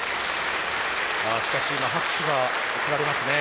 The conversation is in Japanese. しかし今拍手が送られますね。